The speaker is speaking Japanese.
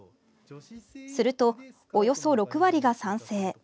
すると、およそ６割が賛成。